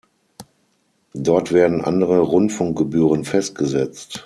Dort werden andere Rundfunkgebühren festgesetzt.